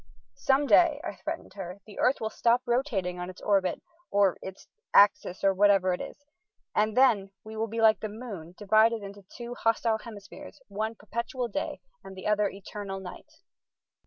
"Some day," I threatened her, "the earth will stop rotating on its orbit, or its axis, or whatever it is, and then we will be like the moon, divided into two hostile hemispheres, one perpetual day and the other eternal night."